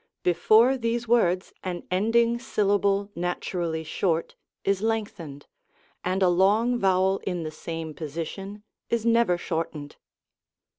Before these words an ending syllable natural ly short is lengthened, and a long vowel in the same position is never shortened.